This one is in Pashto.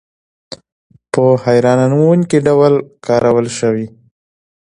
په هیرانوونکې ډول کارول شوي.